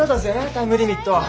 タイムリミット。